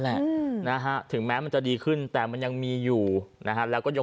แหละนะฮะถึงแม้มันจะดีขึ้นแต่มันยังมีอยู่นะฮะแล้วก็ยก